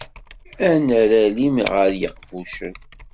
Ad nerr alim gar yiqbucen.